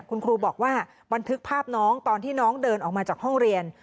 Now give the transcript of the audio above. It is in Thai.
คุณครูบอกว่าบันทึกภาพน้องตอนที่น้องเดินออกมาจากห้องเรียน